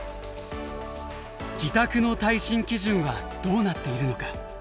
自宅の耐震基準はどうなっているのか？